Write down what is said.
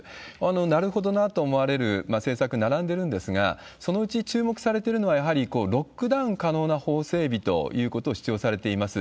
なるほどなと思われる政策、並んでるんですが、そのうち注目されてるのは、やはりロックダウン可能な法整備ということを主張されています。